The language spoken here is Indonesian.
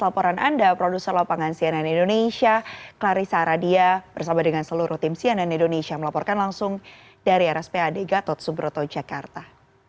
laporan anda produser lapangan cnn indonesia clarissa radia bersama dengan seluruh tim cnn indonesia melaporkan langsung dari rspad gatot subroto jakarta